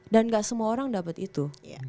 dan gak semua orang dapat itu